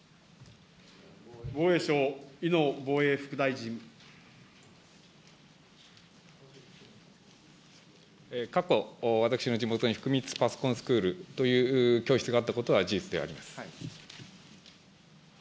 防衛相、過去、私の地元に、ふくみつパソコンスクールという教室があったことは事実であります。